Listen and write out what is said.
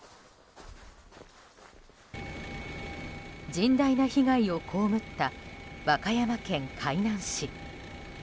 甚大な被害を被った和歌山県海南市。